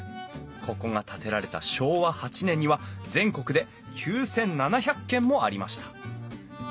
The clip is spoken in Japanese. ここが建てられた昭和８年には全国で９，７００軒もありました。